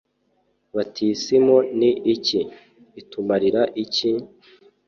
batisimu ni iki/itumarira iki?